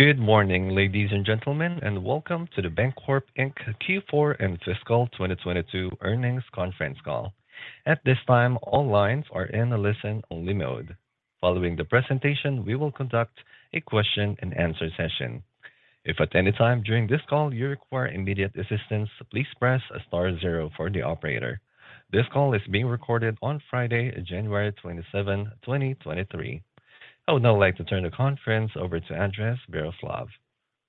Good morning, ladies and gentlemen, and welcome to The Bancorp, Inc. Q4 and fiscal 2022 earnings conference call. At this time, all lines are in a listen-only mode. Following the presentation, we will conduct a question-and-answer session. If at any time during this call you require immediate assistance, please press star zero for the operator. This call is being recorded on Friday, January 27, 2023. I would now like to turn the conference over to Andres Viroslav.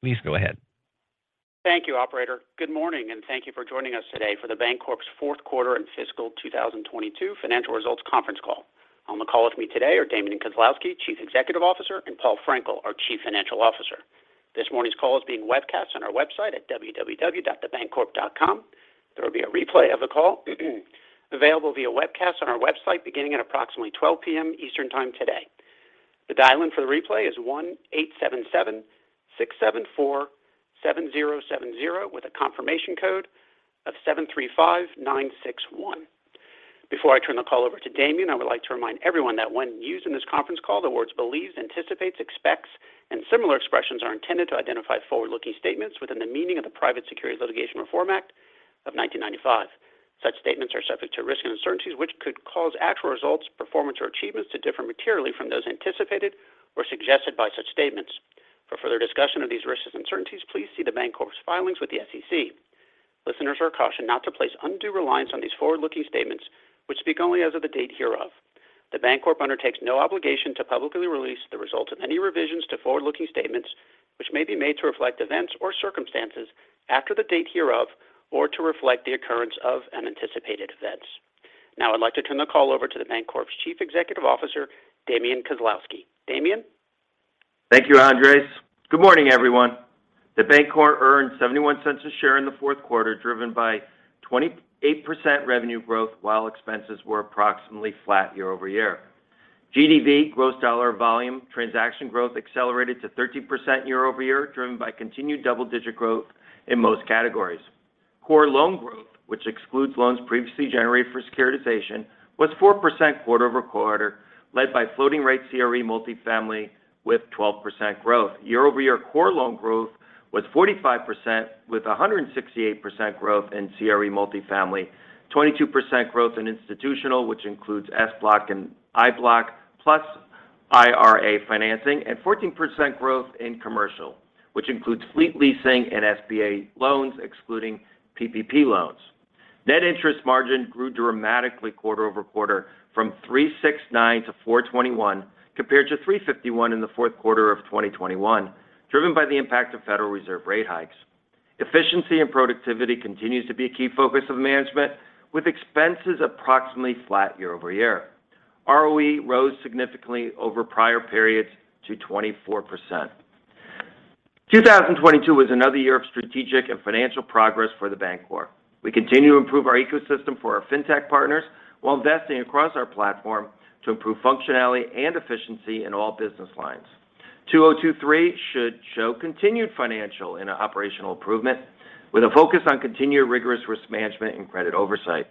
Please go ahead. Thank you, operator. Good morning, and thank you for joining us today for The Bancorp's fourth quarter and fiscal 2022 financial results conference call. On the call with me today are Damian Kozlowski, Chief Executive Officer, and Paul Frenkiel, our Chief Financial Officer. This morning's call is being webcast on our website at www.thebancorp.com. There will be a replay of the call available via webcast on our website beginning at approximately 12:00 P.M. Eastern Time today. The dial-in for the replay is 1-877-674-7070 with a confirmation code of 735961. Before I turn the call over to Damian, I would like to remind everyone that when used in this conference call, the words believes, anticipates, expects, and similar expressions are intended to identify forward-looking statements within the meaning of the Private Securities Litigation Reform Act of 1995. Such statements are subject to risks and uncertainties which could cause actual results, performance, or achievements to differ materially from those anticipated or suggested by such statements. For further discussion of these risks and uncertainties, please see The Bancorp's filings with the SEC. Listeners are cautioned not to place undue reliance on these forward-looking statements, which speak only as of the date hereof. The Bancorp undertakes no obligation to publicly release the results of any revisions to forward-looking statements, which may be made to reflect events or circumstances after the date hereof, or to reflect the occurrence of unanticipated events. Now I'd like to turn the call over to The Bancorp's Chief Executive Officer, Damian Kozlowski. Damian? Thank you, Andres. Good morning, everyone. The Bancorp earned $0.71 a share in the fourth quarter, driven by 28% revenue growth, while expenses were approximately flat year-over-year. GDV, gross dollar volume transaction growth accelerated to 13% year-over-year, driven by continued double-digit growth in most categories. Core loan growth, which excludes loans previously generated for securitization, was 4% quarter-over-quarter, led by floating rate CRE multifamily with 12% growth. Year-over-year core loan growth was 45% with 168% growth in CRE multifamily, 22% growth in institutional, which includes SBLOC and IBLOC plus IRA financing, and 14% growth in commercial, which includes fleet leasing and SBA loans excluding PPP loans. Net interest margin grew dramatically quarter-over-quarter from 3.69% to 4.21%, compared to 3.51% in the fourth quarter of 2021, driven by the impact of Federal Reserve rate hikes. Efficiency and productivity continues to be a key focus of management, with expenses approximately flat year-over-year. ROE rose significantly over prior periods to 24%. 2022 was another year of strategic and financial progress for The Bancorp. We continue to improve our ecosystem for our fintech partners while investing across our platform to improve functionality and efficiency in all business lines. 2023 should show continued financial and operational improvement with a focus on continued rigorous risk management and credit oversight.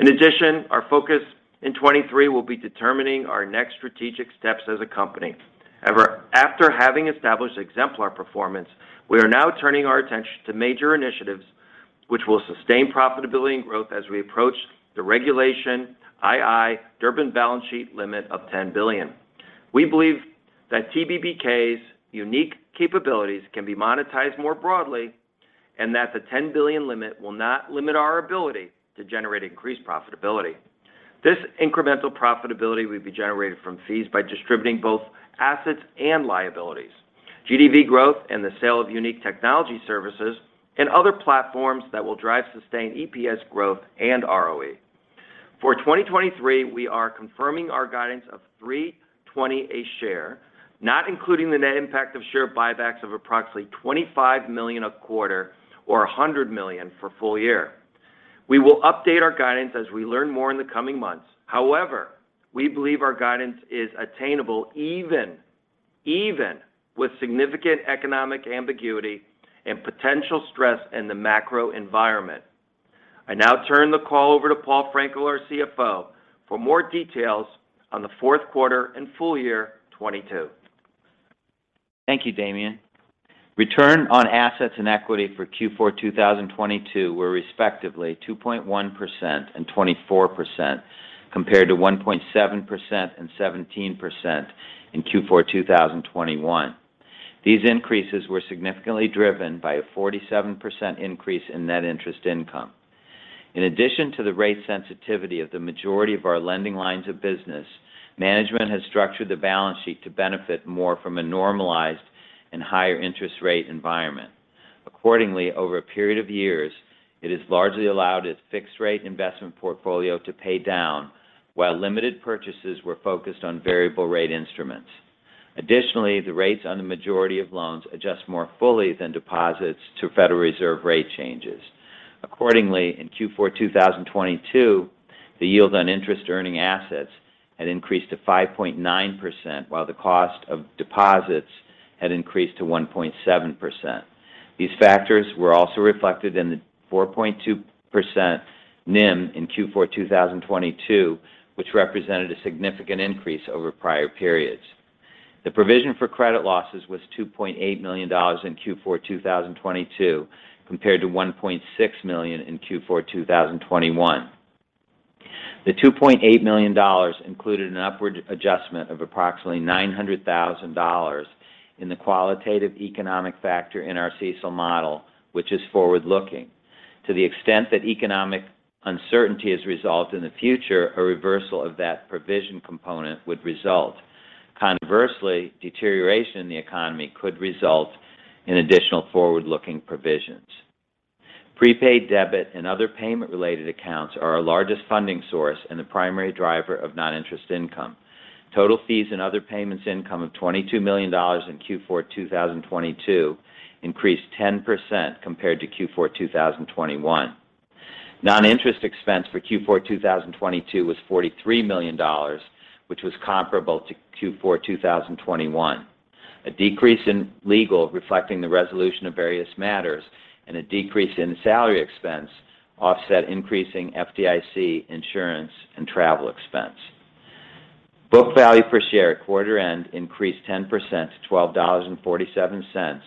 In addition, our focus in 2023 will be determining our next strategic steps as a company. After having established exemplar performance, we are now turning our attention to major initiatives which will sustain profitability and growth as we approach the Regulation II Durbin balance sheet limit of $10 billion. We believe that TBBK's unique capabilities can be monetized more broadly and that the $10 billion limit will not limit our ability to generate increased profitability. This incremental profitability will be generated from fees by distributing both assets and liabilities, GeV growth, and the sale of unique technology services and other platforms that will drive sustained EPS growth and ROE. For 2023, we are confirming our guidance of $3.20 a share, not including the net impact of share buybacks of approximately $25 million a quarter or $100 million for full year. We will update our guidance as we learn more in the coming months. We believe our guidance is attainable even with significant economic ambiguity and potential stress in the macro environment. I now turn the call over to Paul Frenkiel, our CFO, for more details on the fourth quarter and full year 2022. Thank you, Damian. Return on assets and equity for Q4 2022 were respectively 2.1% and 24%, compared to 1.7% and 17% in Q4 2021. These increases were significantly driven by a 47% increase in net interest income. In addition to the rate sensitivity of the majority of our lending lines of business, management has structured the balance sheet to benefit more from a normalized and higher interest rate environment. Accordingly, over a period of years, it has largely allowed its fixed rate investment portfolio to pay down while limited purchases were focused on variable rate instruments. Additionally, the rates on the majority of loans adjust more fully than deposits to Federal Reserve rate changes. Accordingly, in Q4 2022, the yield on interest earning assets had increased to 5.9%, while the cost of deposits had increased to 1.7%. These factors were also reflected in the 4.2% NIM in Q4 2022 which represented a significant increase over prior periods. The provision for credit losses was $2.8 million in Q4 2022 compared to $1.6 million in Q4 2021. The $2.8 million included an upward adjustment of approximately $900,000 in the qualitative economic factor in our CECL model, which is forward-looking. To the extent that economic uncertainty is resolved in the future, a reversal of that provision component would result. Conversely, deterioration in the economy could result in additional forward-looking provisions. Prepaid debit and other payment-related accounts are our largest funding source and the primary driver of non-interest income. Total fees and other payments income of $22 million in Q4 2022 increased 10% compared to Q4 2021. Non-interest expense for Q4 2022 was $43 million which was comparable to Q4 2021. A decrease in legal reflecting the resolution of various matters and a decrease in salary expense offset increasing FDIC insurance and travel expense. Book value per share at quarter end increased 10% to $12.47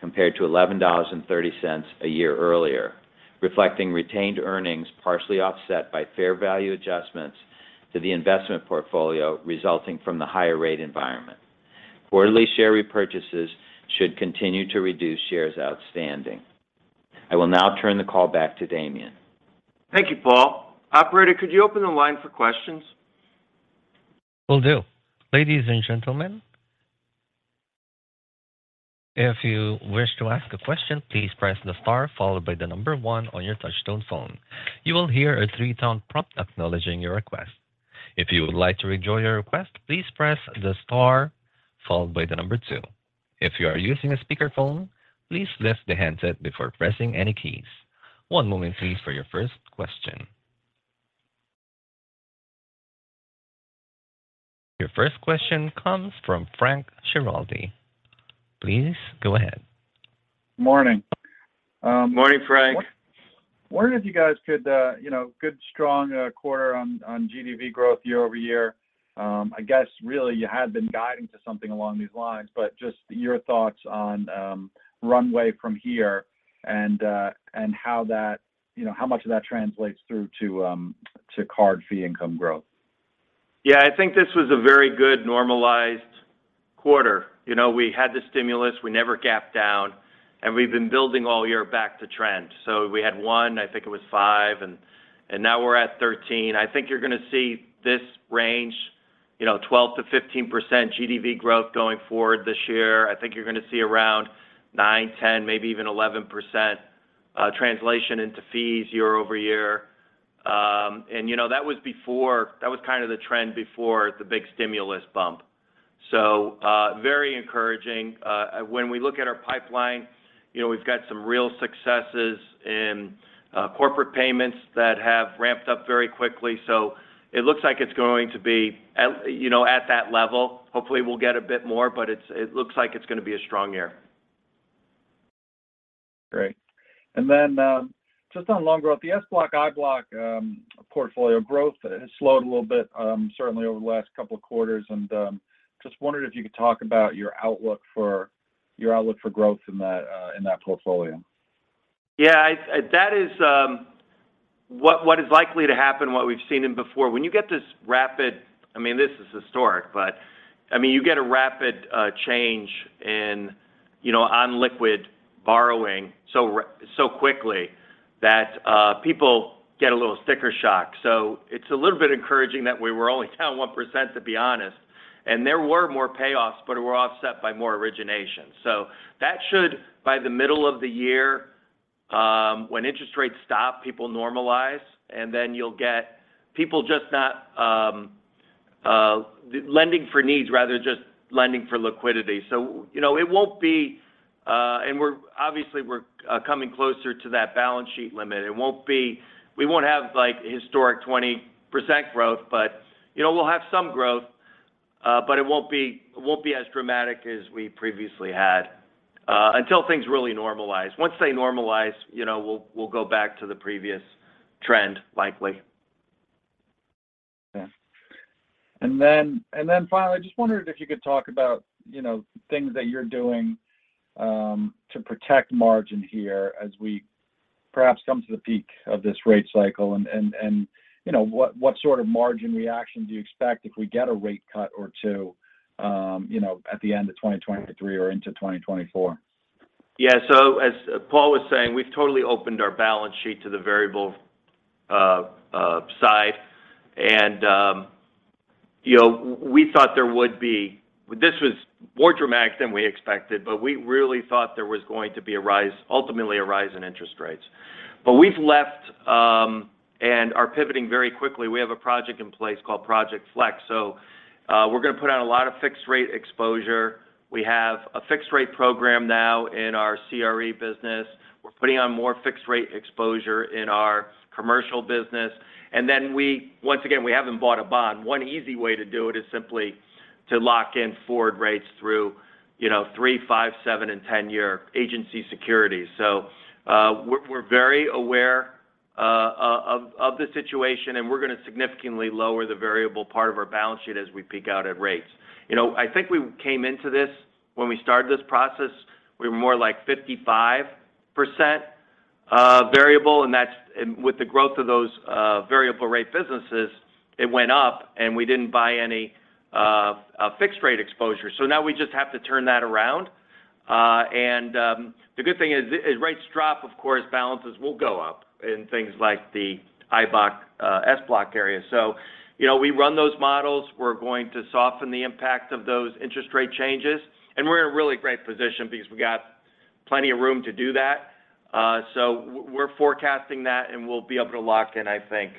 compared to $11.30 a year earlier, reflecting retained earnings partially offset by fair value adjustments to the investment portfolio resulting from the higher rate environment. Quarterly share repurchases should continue to reduce shares outstanding. I will now turn the call back to Damian. Thank you, Paul. Operator, could you open the line for questions? Will do. Ladies and gentlemen, if you wish to ask a question, please press the star followed by the number one on your touch tone phone. You will hear a 3-tone prompt acknowledging your request. If you would like to withdraw your request, please press the star followed by the number two. If you are using a speakerphone, please lift the handset before pressing any keys. One moment please for your first question. Your first question comes from Frank Schiraldi. Please go ahead. Morning. Morning, Frank. Wondering if you guys could, you know, good strong quarter on GDV growth year-over-year. I guess really you had been guiding to something along these lines, but just your thoughts on runway from here and how that, you know, how much of that translates through to card fee income growth? I think this was a very good normalized quarter. You know, we had the stimulus, we never gapped down, and we've been building all year back to trend. We had one, I think it was five and now we're at 13. I think you're gonna see this range, you know, 12%-15% GDV growth going forward this year. I think you're gonna see around 9%, 10%, maybe even 11% translation into fees year-over-year. You know, that was kind of the trend before the big stimulus bump. Very encouraging. When we look at our pipeline, you know, we've got some real successes in corporate payments that have ramped up very quickly. It looks like it's going to be at, you know, at that level. Hopefully, we'll get a bit more, but it looks like it's gonna be a strong year. Great. Then, just on loan growth, the SBLOC/IBLOC portfolio growth has slowed a little bit, certainly over the last couple of quarters. Just wondered if you could talk about your outlook for growth in that portfolio. Yeah. That is what is likely to happen, what we've seen in before. When you get this rapid, I mean, this is historic, but I mean, you get a rapid change in, you know, on liquid borrowing so quickly that people get a little sticker shock. It's a little bit encouraging that we were only down 1%, to be honest. There were more payoffs, but it were offset by more origination. That should by the middle of the year, when interest rates stop, people normalize, and then you'll get people just not lending for needs rather than just lending for liquidity. You know, it won't be, and obviously, we're coming closer to that balance sheet limit. We won't have like historic 20% growth. You know, we'll have some growth. It won't be, it won't be as dramatic as we previously had until things really normalize. Once they normalize, you know, we'll go back to the previous trend, likely. Yeah. Finally, just wondering if you could talk about, you know, things that you're doing to protect margin here as we perhaps come to the peak of this rate cycle. You know, what sort of margin reaction do you expect if we get a rate cut or two, you know, at the end of 2023 or into 2024? Yeah. As Paul was saying, we've totally opened our balance sheet to the variable side. You know, this was more dramatic than we expected, but we really thought there was going to be a rise, ultimately a rise in interest rates. We've left and are pivoting very quickly. We have a project in place called Project Flex. We're gonna put out a lot of fixed rate exposure. We have a fixed rate program now in our CRE business. Putting on more fixed rate exposure in our commercial business. Once again, we haven't bought a bond. One easy way to do it is simply to lock in forward rates through, you know, 3-, 5-, 7-, and 10-year agency securities. We're very aware of the situation, and we're gonna significantly lower the variable part of our balance sheet as we peak out at rates. You know, I think we came into this when we started this process, we were more like 55% variable, and with the growth of those variable rate businesses, it went up, and we didn't buy any a fixed rate exposure. Now we just have to turn that around. And the good thing is rates drop, of course, balances will go up in things like the IBLOC, SBLOC area. You know, we run those models. We're going to soften the impact of those interest rate changes, and we're in a really great position because we got plenty of room to do that. We're forecasting that, and we'll be able to lock in, I think,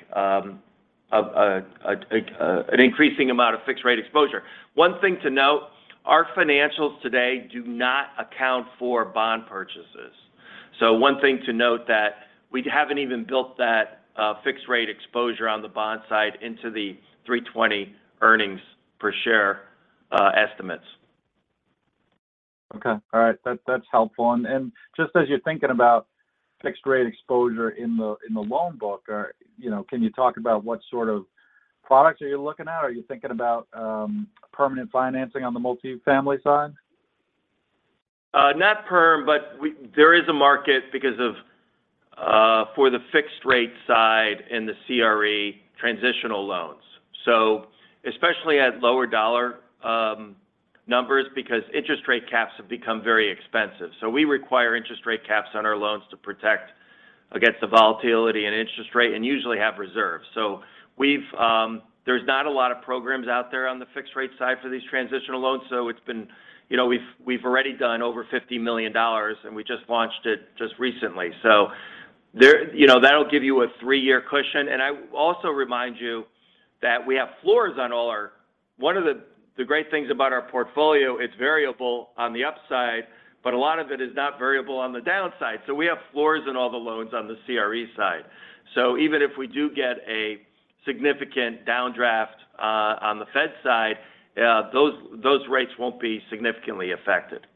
an increasing amount of fixed rate exposure. One thing to note, our financials today do not account for bond purchases. One thing to note that we haven't even built that fixed rate exposure on the bond side into the 3.20 earnings per share estimates. Okay. All right. That's helpful. Just as you're thinking about fixed rate exposure in the, in the loan book, or, you know, can you talk about what sort of products are you looking at? Are you thinking about permanent financing on the multifamily side? Not perm, but there is a market because of for the fixed rate side in the CRE transitional loans. Especially at lower dollar numbers, because interest rate caps have become very expensive. We require interest rate caps on our loans to protect against the volatility and interest rate, and usually have reserves. We've, there's not a lot of programs out there on the fixed rate side for these transitional loans, so it's been, you know, we've already done over $50 million, and we just launched it just recently. There, you know, that'll give you a 3-year cushion. I also remind you that we have floors on all our. One of the great things about our portfolio, it's variable on the upside, but a lot of it is not variable on the downside. We have floors on all the loans on the CRE side. Even if we do get a significant downdraft on the Fed side, those rates won't be significantly affected.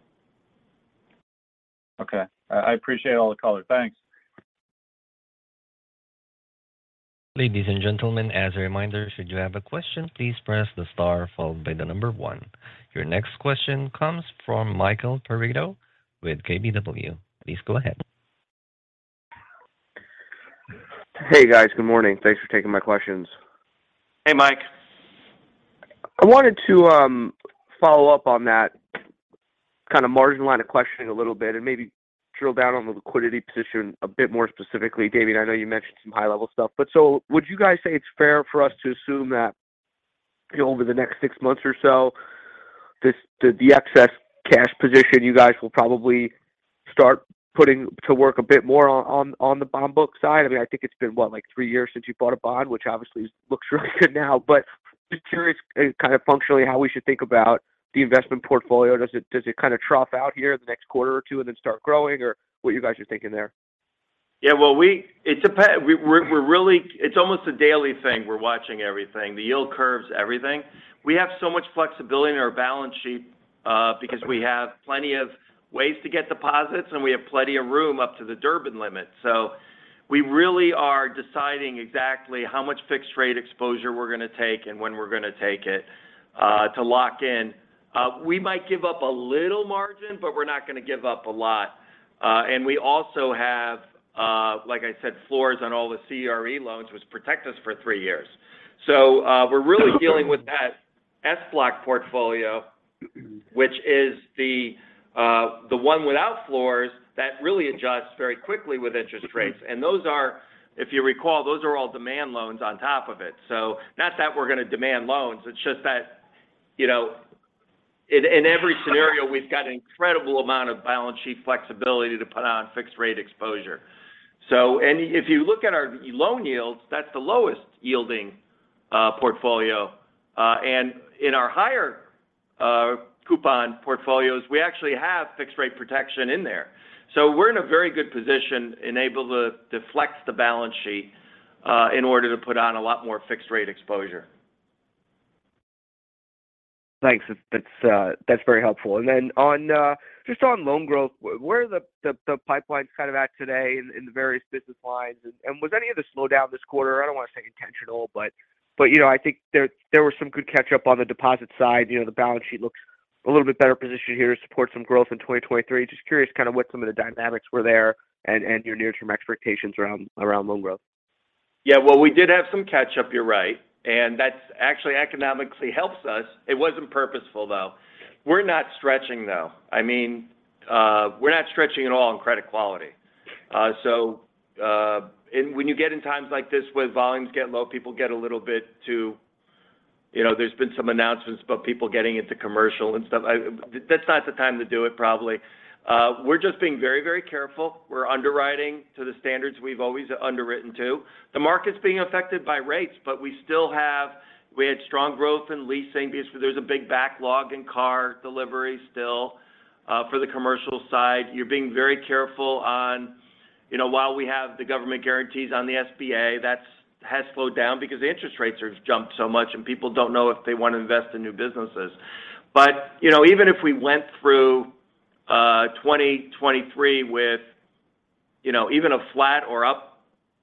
Okay. I appreciate all the color. Thanks. Ladies and gentlemen, as a reminder, should you have a question, please press the star followed by the number one. Your next question comes from Michael Perito with KBW. Please go ahead. Hey, guys. Good morning. Thanks for taking my questions. Hey, Mike. I wanted to follow up on that kind of margin line of questioning a little bit and maybe drill down on the liquidity position a bit more specifically. David, I know you mentioned some high-level stuff, would you guys say it's fair for us to assume that over the next 6 months or so, the excess cash position, you guys will probably start putting to work a bit more on the bond book side? I mean, I think it's been what? Like, three years since you bought a bond, which obviously looks really good now. Just curious, kind of functionally how we should think about the investment portfolio. Does it, does it kind of trough out here the next quarter or two and then start growing, or what you guys are thinking there? Yeah. Well, we're really. It's almost a daily thing, we're watching everything. The yield curves, everything. We have so much flexibility in our balance sheet, because we have plenty of ways to get deposits, and we have plenty of room up to the Durbin limit. We really are deciding exactly how much fixed rate exposure we're gonna take and when we're gonna take it, to lock in. We might give up a little margin, but we're not gonna give up a lot. We also have, like I said, floors on all the CRE loans, which protect us for three years. We're really dealing with that SBLOC portfolio, which is the one without floors that really adjusts very quickly with interest rates. Those are, if you recall, those are all demand loans on top of it. Not that we're gonna demand loans, it's just that, you know, in every scenario, we've got an incredible amount of balance sheet flexibility to put on fixed rate exposure. If you look at our loan yields, that's the lowest yielding portfolio. In our higher coupon portfolios, we actually have fixed rate protection in there. We're in a very good position and able to deflect the balance sheet in order to put on a lot more fixed rate exposure. Thanks. That's very helpful. Then on just on loan growth, where are the pipelines kind of at today in the various business lines? Was any of the slowdown this quarter, I don't want to say intentional, but, you know, I think there was some good catch-up on the deposit side? You know, the balance sheet looks a little bit better positioned here to support some growth in 2023. Just curious kind of what some of the dynamics were there and your near-term expectations around loan growth. Yeah. Well, we did have some catch-up. You're right. That's actually economically helps us. It wasn't purposeful, though. We're not stretching, though. I mean, we're not stretching at all on credit quality. When you get in times like this where volumes get low, people get a little bit too, you know, there's been some announcements about people getting into commercial and stuff. That's not the time to do it, probably. We're just being very, very careful. We're underwriting to the standards we've always underwritten to. The market's being affected by rates, but We had strong growth in leasing because there's a big backlog in car delivery still. For the commercial side, you're being very careful on, you know, while we have the government guarantees on the SBA, that's has slowed down because the interest rates have jumped so much and people don't know if they want to invest in new businesses. Even if we went through 2023 with even a flat or up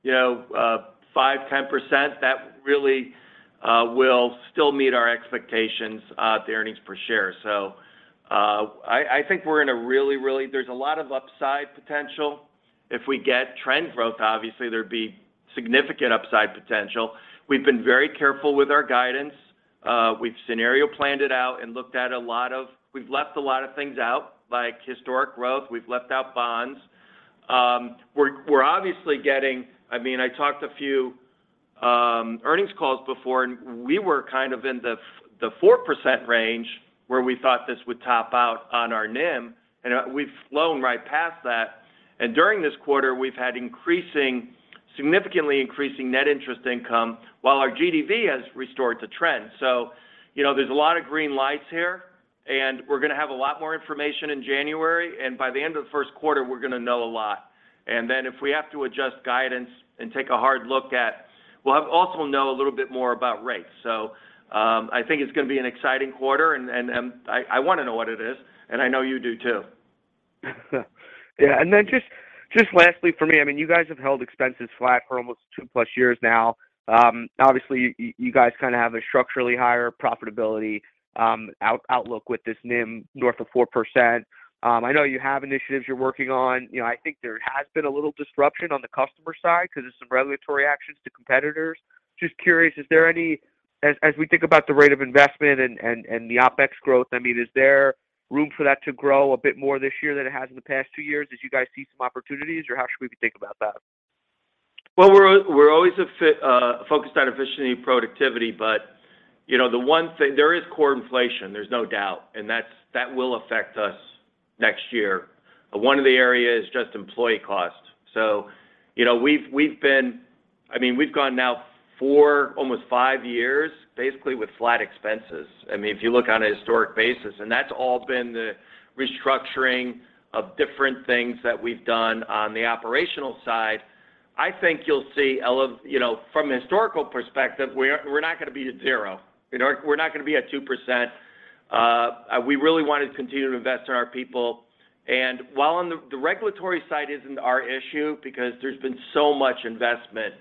5%-10%, that really will still meet our expectations, the earnings per share. I think we're in a really... There's a lot of upside potential. If we get trend growth, obviously there'd be significant upside potential. We've been very careful with our guidance. We've scenario planned it out and looked at a lot of. We've left a lot of things out, like historic growth. We've left out bonds. We're obviously getting... I mean, I talked a few earnings calls before, and we were kind of in the 4% range where we thought this would top out on our NIM, and we've flown right past that. During this quarter, we've had increasing, significantly increasing net interest income while our GDV has restored to trend. You know, there's a lot of green lights here, and we're gonna have a lot more information in January, and by the end of the first quarter, we're gonna know a lot. If we have to adjust guidance and take a hard look at, we'll also know a little bit more about rates. I think it's gonna be an exciting quarter and, I wanna know what it is, and I know you do too. Yeah. Just lastly for me, I mean, you guys have held expenses flat for almost 2+ years now. Obviously you guys kind of have a structurally higher profitability, out, outlook with this NIM north of 4%. I know you have initiatives you're working on. You know, I think there has been a little disruption on the customer side because of some regulatory actions to competitors. Just curious, is there any. As we think about the rate of investment and the OpEx growth, I mean, is there room for that to grow a bit more this year than it has in the past two years? Did you guys see some opportunities, or how should we think about that? Well, we're always focused on efficiency and productivity, but, you know, there is core inflation, there's no doubt, that will affect us next year. One of the areas is just employee costs. You know, we've gone now four, almost five years, basically with flat expenses. I mean, if you look on a historic basis, that's all been the restructuring of different things that we've done on the operational side. I think you'll see, you know, from a historical perspective, we're not gonna be to zero. We're not gonna be at 2%. We really wanna continue to invest in our people. While the regulatory side isn't our issue because there's been so much investment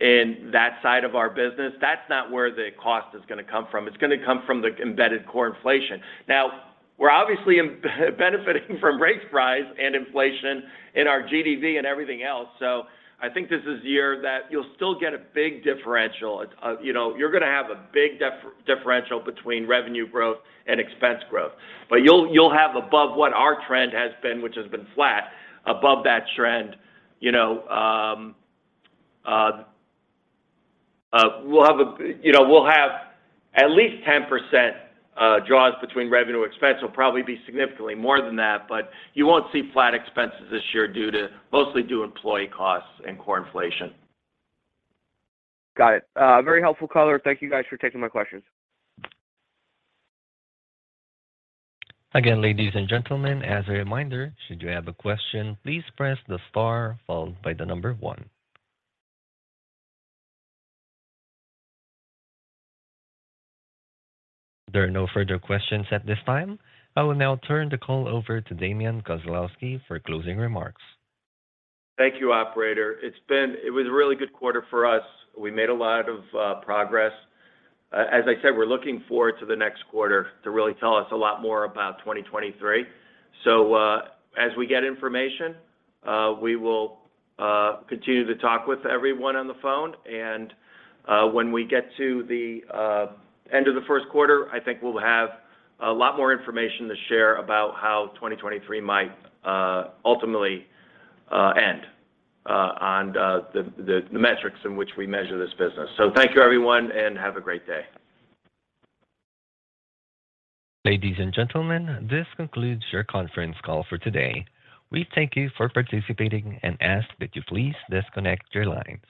in that side of our business. That's not where the cost is gonna come from. It's gonna come from the embedded core inflation. We're obviously benefiting from rates rise and inflation in our GDV and everything else. I think this is the year that you'll still get a big differential. It's, you know, you're gonna have a big differential between revenue growth and expense growth. You'll have above what our trend has been, which has been flat, above that trend. You know, we'll have at least 10% draws between revenue expense. It'll probably be significantly more than that, but you won't see flat expenses this year mostly due to employee costs and core inflation. Got it. Very helpful color. Thank you guys for taking my questions. Again, ladies and gentlemen, as a reminder, should you have a question, please press the star followed by the number one. There are no further questions at this time. I will now turn the call over to Damian Kozlowski for closing remarks. Thank you, operator. It was a really good quarter for us. We made a lot of progress. As I said, we're looking forward to the next quarter to really tell us a lot more about 2023. As we get information, we will continue to talk with everyone on the phone. When we get to the end of the first quarter, I think we'll have a lot more information to share about how 2023 might ultimately end on the metrics in which we measure this business. Thank you, everyone, and have a great day. Ladies and gentlemen, this concludes your conference call for today. We thank you for participating and ask that you please disconnect your line.